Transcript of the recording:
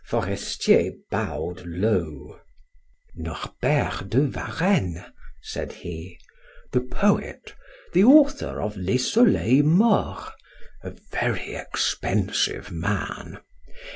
Forestier bowed low. "Norbert de Varenne," said he, "the poet, the author of 'Les Soleils Morts,' a very expensive man.